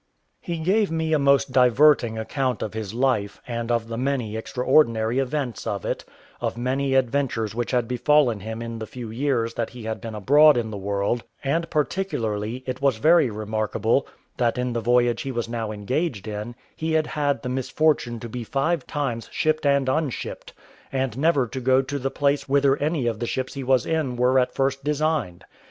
He gave me a most diverting account of his life, and of the many extraordinary events of it; of many adventures which had befallen him in the few years that he had been abroad in the world; and particularly, it was very remarkable, that in the voyage he was now engaged in he had had the misfortune to be five times shipped and unshipped, and never to go to the place whither any of the ships he was in were at first designed.